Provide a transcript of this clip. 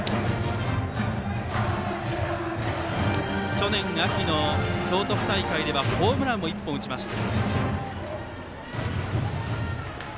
去年秋の京都府大会ではホームランを１本放ちました。